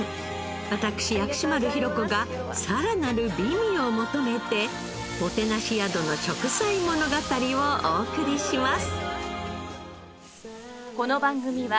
私薬師丸ひろ子がさらなる美味を求めてもてなし宿の食材物語をお送りします